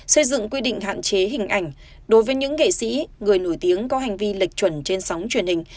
xây dựng quy định hạn chế hình ảnh đối với những nghệ sĩ người nổi tiếng có hành vi lệch chuẩn trên sóng truyền hình